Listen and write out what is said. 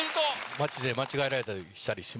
街で間違えられたりします？